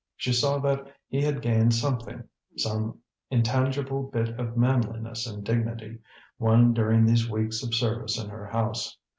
She saw that he had gained something, some intangible bit of manliness and dignity, won during these weeks of service in her house.